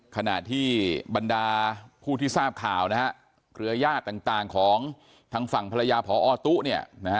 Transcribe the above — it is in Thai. ขณะที่บรรดาผู้ที่ทราบข่าวนะฮะเครือญาติต่างของทางฝั่งภรรยาพอตุ๊เนี่ยนะฮะ